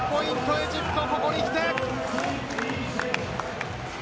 エジプトここにきて。